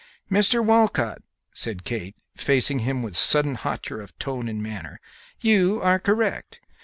"Mr. Walcott," said Kate, facing him with sudden hauteur of tone and manner, "you are correct.